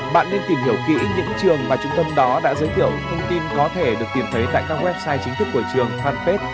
bạn nên tìm hiểu kỹ những trường mà trung tâm đó đã giới thiệu thông tin có thể được tìm thấy tại các website chính thức của trường fanpage